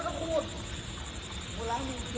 สาวโร่นเนี่ย